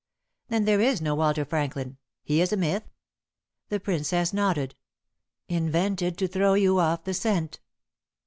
"Then there is no Walter Franklin. He is a myth?" The Princess nodded. "Invented to throw you off the scent."